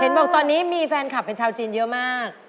บอกตอนนี้มีแฟนคลับเป็นชาวจีนเยอะมาก